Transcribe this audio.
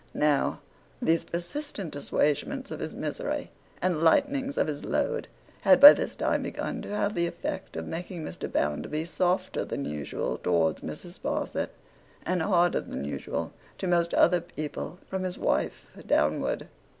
Now, these persistent assuagements of his misery, and lightenings of his load, had by this time begun to have the effect of making Mr. Bounderby softer than usual towards Mrs. Sparsit, and harder than usual to most other people from his wife downward.